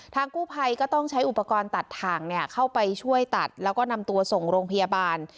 กู้ภัยก็ต้องใช้อุปกรณ์ตัดถ่างเข้าไปช่วยตัดแล้วก็นำตัวส่งโรงพยาบาล